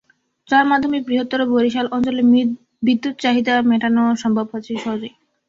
যার মাধ্যমে বৃহত্তর বরিশাল অঞ্চলের বিদ্যুৎ চাহিদা মেটানো সম্ভব হচ্ছে সহজেই।